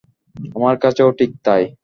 আমার কাছেও ঠিক তাই।